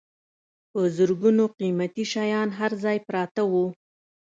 په زرګونو قیمتي شیان هر ځای پراته وو.